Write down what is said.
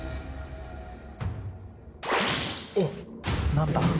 何だ？